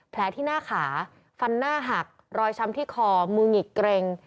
แผลที่หน้าขาฟันหน้าหักรอยช้ำที่คอมือหงิกเกร็ง